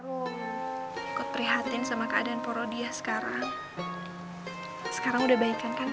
roh perhatian sama keadaan poro dia sekarang sekarang udah baikkan kan